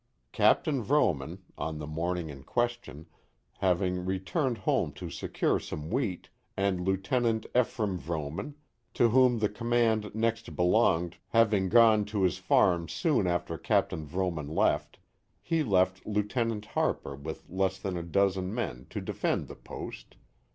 Capt. Vrooman, on the morning in question, having returned home to secure some wheat, and Lieut. Ephraim Vrooman, to whom the command next belonged having gone to his The Mohawk Valley farm soon after Capt. Vrooman left, he left Lieut. Harper with lefi than a donen men, to defend the post.